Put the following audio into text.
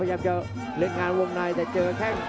พยายามจะเล่นงานวงในแต่เจอแข้ง